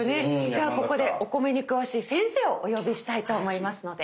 ではここでお米に詳しい先生をお呼びしたいと思いますので。